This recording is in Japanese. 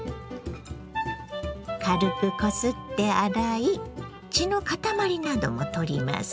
軽くこすって洗い血の塊なども取ります。